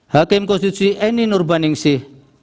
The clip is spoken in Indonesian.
hakim konstitusi eni nurbaningsih